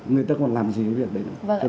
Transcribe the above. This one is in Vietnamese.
người ta còn làm gì với việc đấy nữa